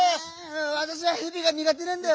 わたしはへびがにが手なんだよ。